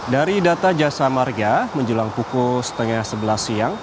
dari data jasa marga menjelang pukul setengah sebelas siang